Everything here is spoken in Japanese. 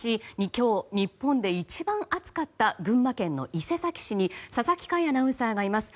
今日、日本で一番暑かった群馬県の伊勢崎市に佐々木快アナウンサーがいます。